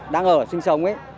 đang ở sinh sống